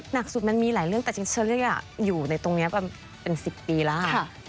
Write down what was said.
หนักสุดมันมีหลายเรื่องแต่จริงเชอรี่อยู่ในตรงนี้ประมาณเป็น๑๐ปีแล้วค่ะ